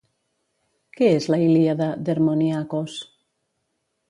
Què és la Ilíada d'Hermoniakos?